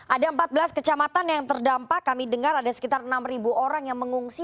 ada empat belas kecamatan yang terdampak kami dengar ada sekitar enam orang yang mengungsi